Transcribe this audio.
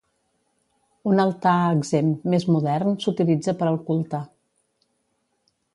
Un altar exempt més modern s'utilitza per al culte.